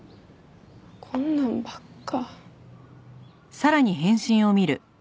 こんなんばっか。